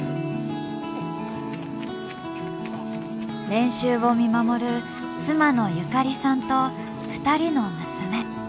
練習を見守る妻の友加里さんと２人の娘。